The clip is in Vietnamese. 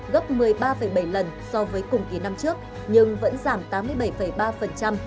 gấp một mươi ba bảy lần so với cùng kỳ năm trước nhưng vẫn giảm tám mươi bảy ba